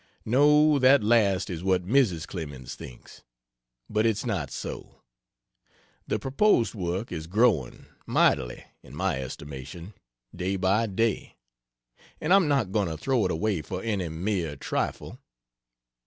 No, that last is what Mrs. Clemens thinks but it's not so. The proposed work is growing, mightily, in my estimation, day by day; and I'm not going to throw it away for any mere trifle.